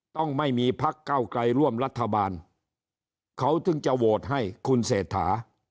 ต้องไม่มีพักเก้าไกลร่วมรัฐบาลเขาถึงจะโหวตให้คุณเศรษฐา